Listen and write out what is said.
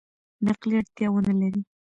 نقلي اړتیا ونه لري.